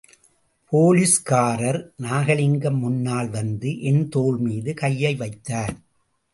போலீஸ்காரர் நாகலிங்கம் முன்னால் வந்து என்தோள்மீது கையை வைத்தார்.